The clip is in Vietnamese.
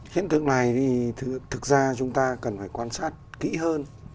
hiện tượng này thì thực ra chúng ta cần phải quan sát kỹ hơn